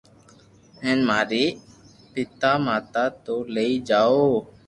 ھين مارو پاتا پيتا ني لئي جاو